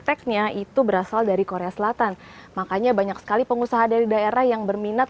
teksnya itu berasal dari korea selatan makanya banyak sekali pengusaha dari daerah yang berminat